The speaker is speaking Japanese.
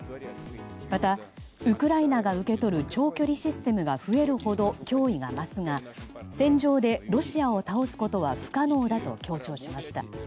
またウクライナが受け取る長距離システムが増えるほど脅威が増すが、戦場でロシアを倒すことは不可能だと強調しました。